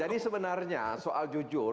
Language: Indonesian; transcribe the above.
jadi sebenarnya soal jujur